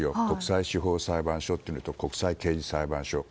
国際司法裁判所というのと国際刑事裁判所。